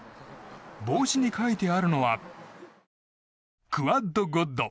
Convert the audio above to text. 帽子に書いてあるのはクアッドゴッド。